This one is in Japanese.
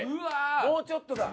もうちょっとだ。